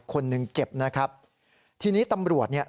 คนเจ็บนะครับทีนี้ตำรวจเนี่ย